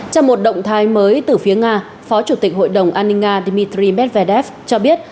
trong một động thái mới từ phía nga phó chủ tịch hội đồng an ninh nga dmitry medvedev cho biết